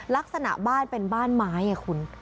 ลักษณะบ้านเป็นบ้านไม้ไงคุณ